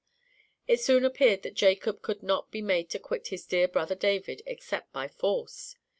It soon appeared that Jacob could not be made to quit his dear brother David except by force.